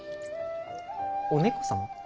お猫様？